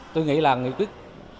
tôi nghĩ là nghị quyết